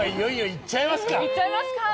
いっちゃいますか！